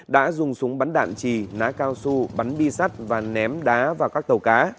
đã dùng súng bắn đạn trì ná cao su bắn bi sắt và ném đá vào các tàu cá